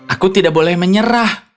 aku tidak boleh menyerah